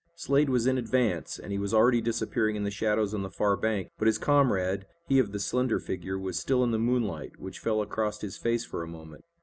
Slade was in advance, and he was already disappearing in the shadows on the far bank, but his comrade, he of the slender figure, was still in the moonlight, which fell across his face for a moment.